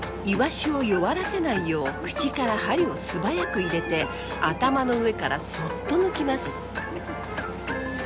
イワシを弱らせないよう口から針を素早く入れて頭の上からそっと抜きます。